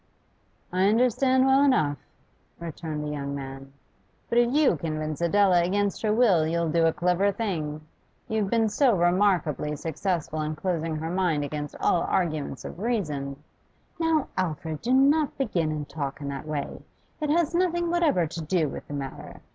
'I understand well enough,' returned the young man; 'but if you convince Adela against her will you'll do a clever thing. You've been so remarkably successful in closing her mind against all arguments of reason ' 'Now, Alfred, do not begin and talk in that way! It has nothing whatever to do with the matter.